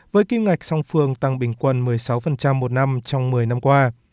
với kim ngạch song phương tăng bình quân một mươi sáu một năm trong một mươi năm qua